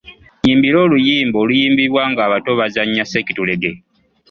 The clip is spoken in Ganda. Nnyimbira oluyimba oluyimbibwa ng'abato bazannya ssekitulege.